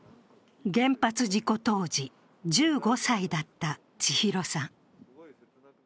原発事故当時、１５歳だった千尋さん。